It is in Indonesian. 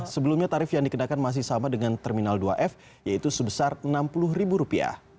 sebelumnya tarif yang dikenakan masih sama dengan terminal dua f yaitu sebesar rp enam puluh